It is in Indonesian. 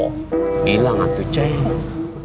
hilang atuh cek